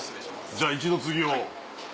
じゃあ「一度つぎ」を。